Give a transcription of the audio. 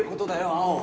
青。